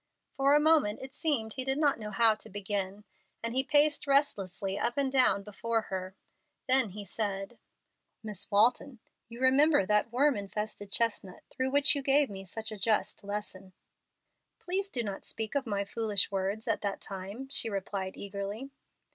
For a moment it seemed he did not know how to begin, and he paced restlessly up and down before her. Then he said, "Miss Walton, you remember that worm infested chestnut through which you gave me such a just lesson?" "Please do not speak of my foolish words at that time," she replied, eagerly.